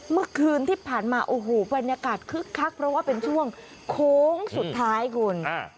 เมื่อคืนที่ผ่านมาโอ้โหบรรยากาศคึกคักเพราะว่าเป็นช่วงโค้งสุดท้ายคุณ